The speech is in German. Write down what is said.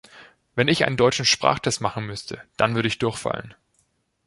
Wenn ich einen deutschen Sprachtest machen müsste, dann würde ich durchfallen.